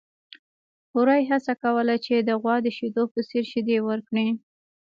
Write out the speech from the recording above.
وري هڅه کوله چې د غوا د شیدو په څېر شیدې ورکړي.